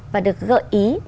và được gợi ý